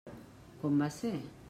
Com va ser?